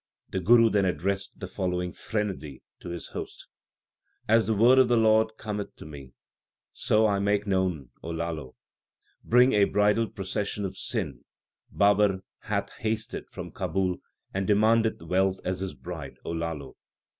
The Guru then addressed the following threnody to his host : As the word of the Lord cometh to me, so I make known, O Lalo Bringing a bridal procession of sin, Babar hath hasted from Kabul and demandeth wealth as his bride, O Lalo.